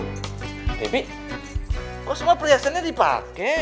goh debbie kok semua perhiasannya dipake